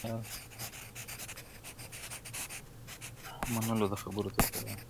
هم منلو د خبرو ته تیار دی.!